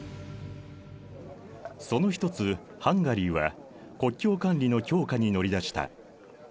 その一つハンガリーは国境管理の強化に乗り出した。